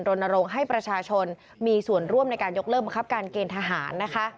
โรนโรงให้ประชาชนมีส่วนร่วมในการยกเลิกประคับการเกณฑ์ทหาร